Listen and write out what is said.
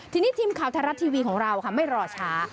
ทีนี้ทีมข่าวไทยรัฐทีวีของเราค่ะไม่รอช้า